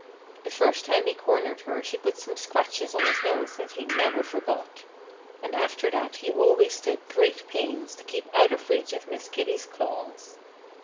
The first time he cornered her she put some scratches on his nose that he never forgot. And after that he always took great pains to keep out of reach of Miss Kitty's claws.